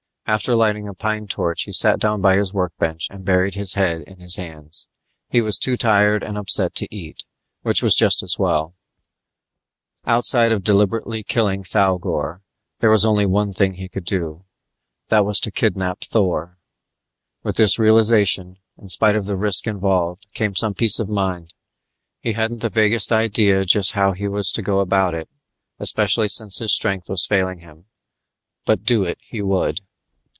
After lighting a pine torch he sat down by his workbench and buried his head in his hands. He was too tired and upset to eat, which was just as well Outside of deliberately killing Thougor, there was only one thing he could do that was to kidnap Thor. With this realization, in spite of the risk involved, came some peace of mind. He hadn't the vaguest idea just how he was to go about it, especially since his strength was failing him, but do it he would.